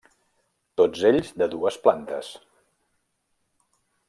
Tots ells de dues plantes.